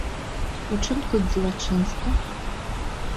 У чым тут злачынства?